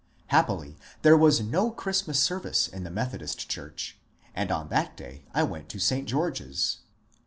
Happily there was no Christmas service in the Methodist church, and on that day I went to St. Greorge's.